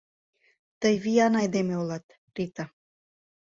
Тый виян айдеме улат, Рита.